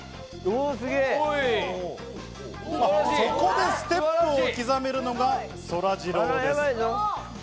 そこでステップを刻めるのがそらジローです。